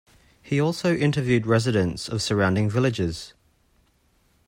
He also interviewed residents of surrounding villages.